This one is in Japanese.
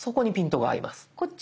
こっち？